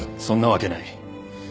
そんなわけない。